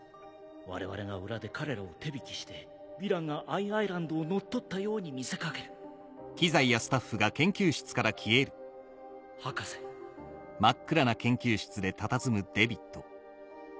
我々が裏で彼らを手引きしてヴィランがＩ・アイランドを乗っ取ったように見せ掛ける博士そんな。